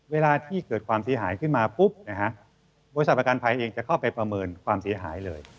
เวลาที่เกิดความเสียหายขึ้นมาปุ๊บนะฮะบริษัทประกันภัยเองจะเข้าไปประเมินความเสียหายเลย